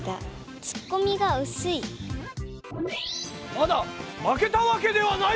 まだ負けたわけではない！